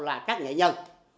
là các nghệ nhân